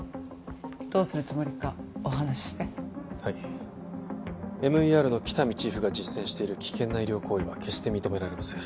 どうするつもりかお話ししてはいＭＥＲの喜多見チーフが実践している危険な医療行為は決して認められません